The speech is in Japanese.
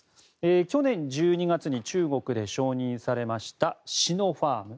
去年１２月に中国で承認されましたシノファーム。